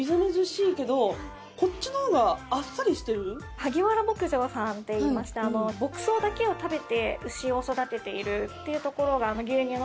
萩原牧場さんといいまして牧草だけを食べて牛を育てているっていうところが牛乳の特徴になっていて。